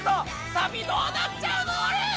サビどうなっちゃうのあれ！